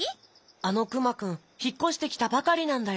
あのクマくんひっこしてきたばかりなんだよ。